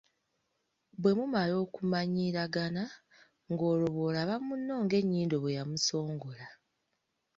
Bwe mumala okumanyiiragana, ng'olwo bw'olaba munno ng'ennyindo bwe yamusongola.